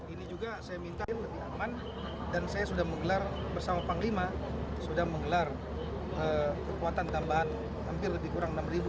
ini juga saya minta ini lebih aman dan saya sudah menggelar bersama panglima sudah menggelar kekuatan tambahan hampir lebih kurang enam